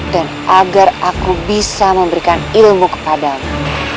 dan agar aku bisa memberikan ilmu kepadamu